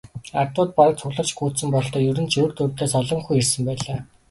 Ардууд бараг цугларч гүйцсэн бололтой, ер нь ч урьд урьдаас олон хүн ирсэн байлаа.